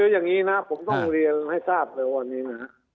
อย่างนี้นะผมต้องเรียนให้ทราบเลยวันนี้นะฮะ